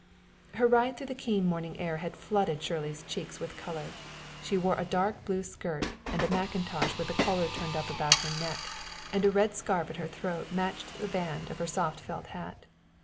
Her ride through the keen morning air had flooded Shirley's cheeks with color. She wore a dark blue skirt and a mackintosh with the collar turned up about her neck, and a red scarf at her throat matched the band of her soft felt hat.